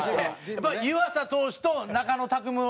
やっぱ湯浅投手と中野拓夢選手